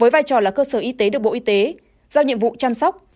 với vai trò là cơ sở y tế được bộ y tế giao nhiệm vụ chăm sóc